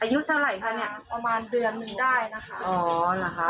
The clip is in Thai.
อายุเท่าไหร่คะเนี่ยประมาณเดือนหนึ่งได้นะคะอ๋อเหรอคะ